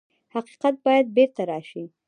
حقیقت باید بېرته راشي.